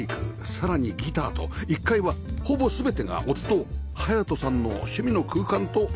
さらにギターと１階はほぼ全てが夫隼人さんの趣味の空間となっていました